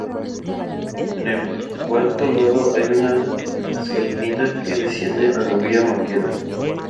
En el cuarto lado hay una escalinata que desciende a la Via Maqueda.